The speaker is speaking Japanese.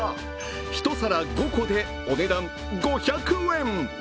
１皿５個で、お値段５００円。